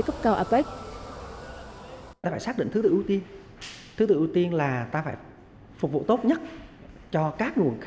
cấp cao apec